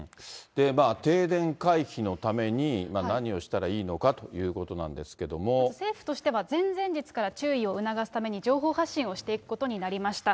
停電回避のために何をしたらいいのかということなんですけど政府としては前々日から注意を促すために情報発信をしていくことになりました。